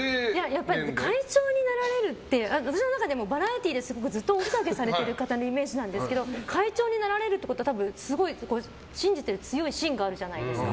やっぱり、会長になられるって私の中でもバラエティーでずっとおふざけされてる方のイメージなんですけど会長になられるってことは多分、すごい信じてる強い芯があるじゃないですか。